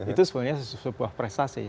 itu sebenarnya sebuah prestasi